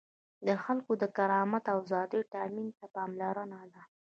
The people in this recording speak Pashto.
د خلکو د کرامت او آزادیو تأمین ته پاملرنه ده.